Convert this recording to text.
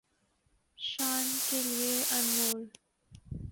شان کے لئے انمول